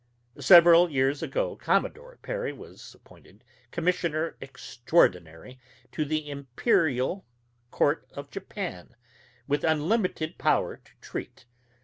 Several years ago Commodore Perry was appointed Commissioner Extraordinary to the Imperial Court of Japan, with unlimited power to treat.